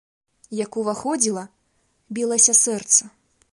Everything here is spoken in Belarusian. Як уваходзіла, білася сэрца.